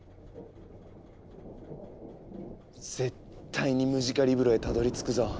絶対にムジカリブロへたどりつくぞ。